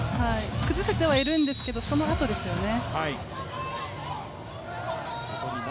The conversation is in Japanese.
崩せてはいるんですけど、そのあとですよね。